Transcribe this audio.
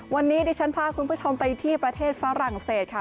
วันนี้ดิฉันพาคุณผู้ชมไปที่ประเทศฝรั่งเศสค่ะ